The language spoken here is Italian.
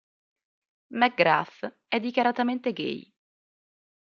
Mcgrath è dichiaratamente gay.